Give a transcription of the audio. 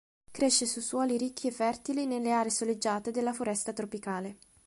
Cresce su suoli ricchi e fertili nelle aree soleggiate della foresta tropicale.